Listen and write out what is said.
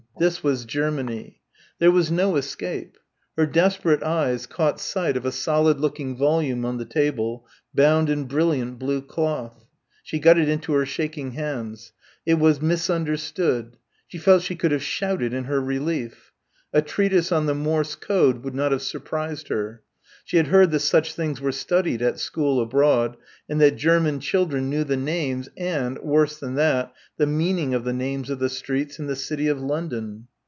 This was Germany. There was no escape. Her desperate eyes caught sight of a solid looking volume on the table, bound in brilliant blue cloth. She got it into her shaking hands. It was "Misunderstood." She felt she could have shouted in her relief. A treatise on the Morse code would not have surprised her. She had heard that such things were studied at school abroad and that German children knew the names and, worse than that, the meaning of the names of the streets in the city of London.